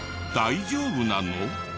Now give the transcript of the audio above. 大丈夫なの？